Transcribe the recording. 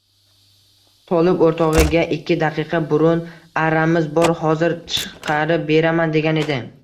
Tolib o‘rtog‘iga ikki daqiqa burun arramiz bor, hozir chiqarib beraman degan edi